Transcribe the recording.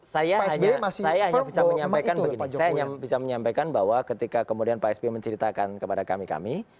saya hanya bisa menyampaikan bahwa ketika pak s wendel menceritakan kepada kami kami